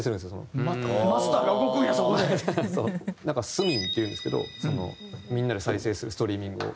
スミンっていうんですけどみんなで再生するストリーミングを。